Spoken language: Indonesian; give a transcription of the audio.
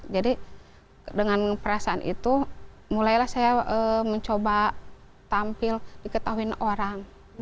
jadi dengan perasaan itu mulailah saya mencoba tampil diketahui orang